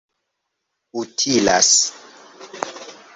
utilas